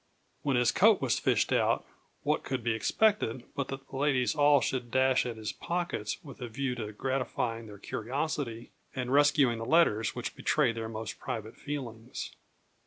When his coat was fished out, what could be expected, but that the ladies all should dash at his pockets with a view to gratifying their curiosity, and rescuing the letters which betrayed their most private feelings.